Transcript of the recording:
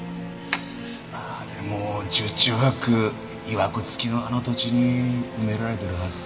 まあでも十中八九いわくつきのあの土地に埋められてるはずさ。